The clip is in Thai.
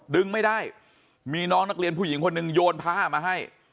ดึงไม่ได้มีน้องนักเรียนผู้หญิงคนหนึ่งโยนผ้ามาให้